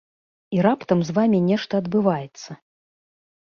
І раптам з вамі нешта адбываецца.